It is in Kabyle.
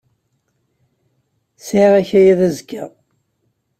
Sɛiɣ akayad azekka.